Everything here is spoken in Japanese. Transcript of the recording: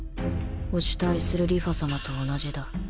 お慕いする梨花さまと同じだ。